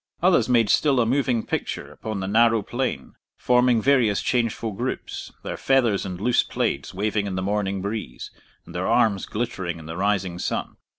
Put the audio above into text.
Others made still a moving picture upon the narrow plain, forming various changeful groups, their feathers and loose plaids waving in the morning breeze, and their arms glittering in the rising sun.